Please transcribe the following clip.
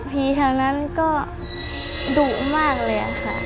แถวนั้นก็ดุมากเลยค่ะ